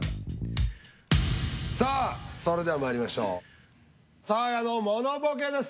それではまいりましょうサーヤのものボケです